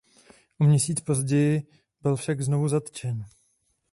O měsíc později byl však znovu zatčen.